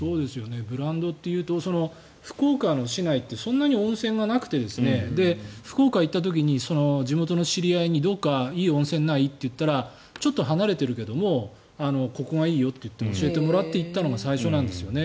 ブランドというと福岡の市内ってそんなに温泉がなくて福岡に行った時に地元の知り合いにどこかいい温泉ない？って言ったらちょっと離れてるけどここがいいよって言って教えてもらって行ったのが最初なんですよね。